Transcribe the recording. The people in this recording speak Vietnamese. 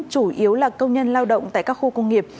chủ yếu là công nhân lao động tại các khu công nghiệp